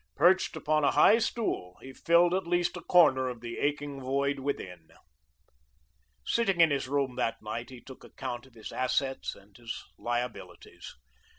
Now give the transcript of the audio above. Perched upon a high stool, he filled at least a corner of the aching void within. Sitting in his room that night he took account of his assets and his liabilities.